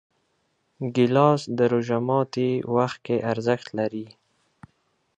ګیلاس د روژه ماتي وخت کې ارزښت لري.